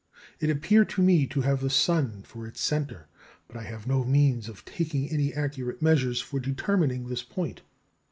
It appeared to me to have the sun for its centre, but I had no means of taking any accurate measures for determining this point.